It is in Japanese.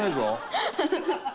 ハハハ！